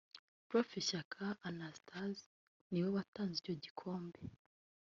Prof Shyaka Anastase niwe watanze icyo gikombe